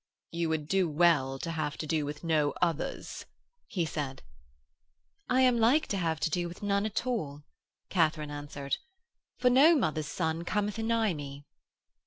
'You would do well to have to do with no others,' he said. 'I am like to have to do with none at all,' Katharine answered, 'for no mother's son cometh anigh me.'